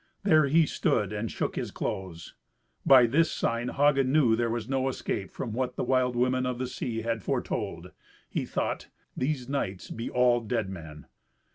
There he stood, and shook his clothes. By this sign Hagen knew there was no escape from what the wild women of the sea had foretold. He thought, "These knights be all dead men."